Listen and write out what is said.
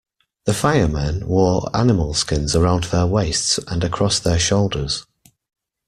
The Fire-Men wore animal skins around their waists and across their shoulders.